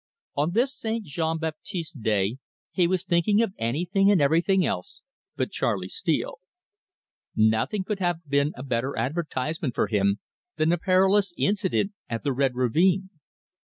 On this St. Jean Baptiste's day he was thinking of anything and everything else but Charley Steele. Nothing could have been a better advertisement for him than the perilous incident at the Red Ravine.